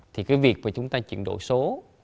thì cái việc mà chúng ta chuyển đổi số